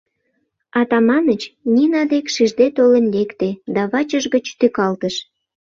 Атаманыч Нина дек шижде толын лекте да вачыж гыч тӱкалтыш!.